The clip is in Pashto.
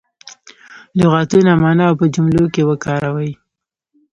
لغتونه معنا او په جملو کې وکاروي.